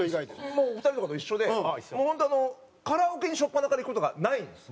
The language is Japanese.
もうお二人とかと一緒で本当あのカラオケにしょっぱなから行く事がないんです。